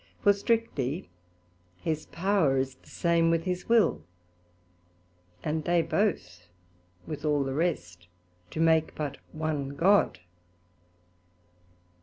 For strictly his power is the same with his will, and they both with all the rest do make but one God.